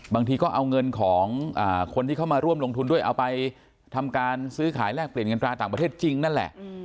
บางทีก็เอาเงินของคนที่เข้ามาร่วมลงทุนด้วยเอาไปทำการซื้อขายแลกเปลี่ยนเงินตราต่างประเทศจริงนั่นแหละ